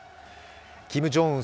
キム・ジョンウン